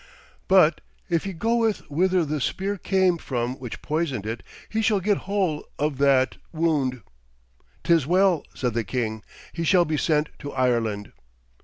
But if he goeth whither the spear came from which poisoned it, he shall get whole of that wound.' ''Tis well,' said the king, 'he shall be sent to Ireland.'